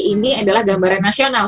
ini adalah gambaran nasional